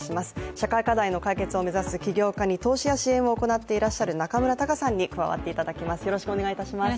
社会課題の解決を目指す起業家に投資や支援を行っていらっしゃる中村多伽さんに加わっていただきます。